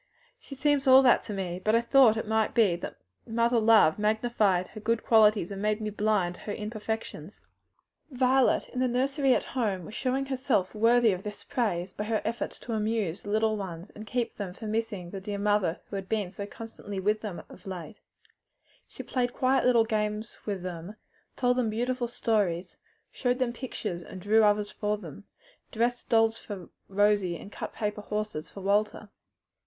"She seems all that to me; but I thought it might be that mother love magnified her good qualities and made me blind to her imperfections." Violet, in the nursery at home, was showing herself worthy of these encomiums by her efforts to amuse the little ones and keep them from missing the dear mother who had been so constantly with them of late. She played quiet little games with them, told them beautiful stories, showed them pictures and drew others for them, dressed dolls for Rosie and cut paper horses for Walter.